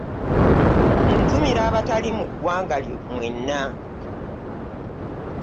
Ntumira abatali mu ggwanga mwenna.